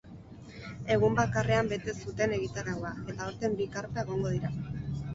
Egun bakarrean bete zuten egitaraua, eta aurten bi karpa egongo dira.